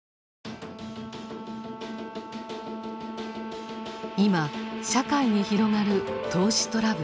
今社会に広がる投資トラブル。